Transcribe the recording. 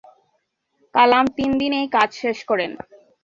কালাম তিন দিনেই কাজ শেষ করেন।